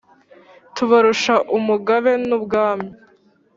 tubarusha umugabe n'ubwami